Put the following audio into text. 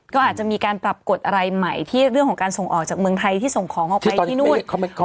ก็อาจจะมีการปรับกฎอะไรใหม่ที่เรื่องของการส่งออกจากเมืองไทยที่ส่งของออกไปที่นู่น